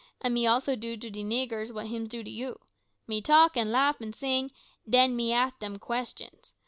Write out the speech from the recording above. An' me also dood to de niggers what hims do to you. Me talk an' laugh an' sing, den me ax dem questions.